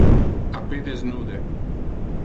A pedes nude!